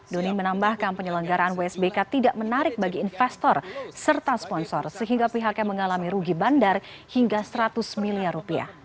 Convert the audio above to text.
doni menambahkan penyelenggaraan wsbk tidak menarik bagi investor serta sponsor sehingga pihaknya mengalami rugi bandar hingga seratus miliar rupiah